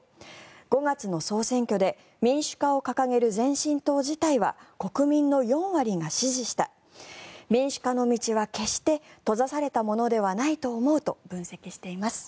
５月の総選挙で民主化を掲げる前進党自体は国民の４割が支持した民主化の道は決して閉ざされたものではないと思うと分析しています。